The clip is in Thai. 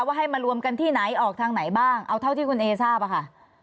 ให้มารวมกันที่ไหนออกทางไหนบ้างเอาเท่าที่คุณเอทราบอะค่ะ